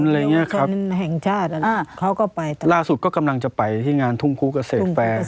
อะไรอย่างเงี้ยครับแห่งชาติอ่ะอ่าเขาก็ไปล่าสุดก็กำลังจะไปที่งานทุ่งคุเกษตรแฟร์